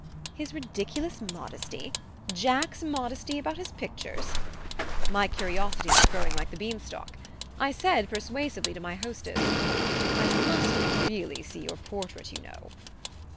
His ridiculous modesty Jack's modesty about his pictures? My curiosity was growing like the bean stalk. I said persuasively to my hostess: "I must really see your portrait, you know."